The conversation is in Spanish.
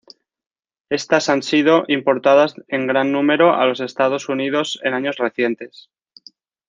Estas han sido importadas en gran número a los Estados Unidos en años recientes.